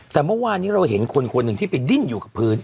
แต่เมื่อวานนี้เราเห็นคนคนหนึ่งที่ไปดิ้นอยู่กับพื้น